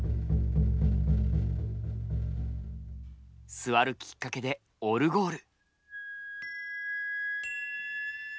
座るきっかけでオルゴール。